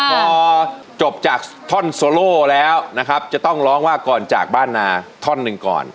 พอจบจากท่อนโซโล่แล้วนะครับจะต้องร้องว่าก่อนจากบ้านนาท่อนหนึ่งก่อน